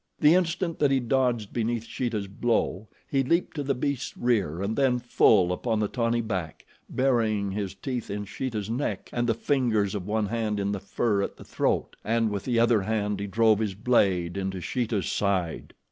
The instant that he dodged beneath Sheeta's blow, he leaped to the beast's rear and then full upon the tawny back, burying his teeth in Sheeta's neck and the fingers of one hand in the fur at the throat, and with the other hand he drove his blade into Sheeta's side.